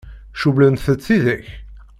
Cewwlent-tt tidak?